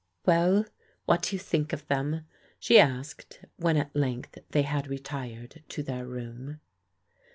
"Well, what do you think of them?" she asked, when at length they had retired to their room.